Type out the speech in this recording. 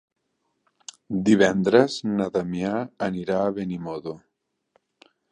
Divendres na Damià anirà a Benimodo.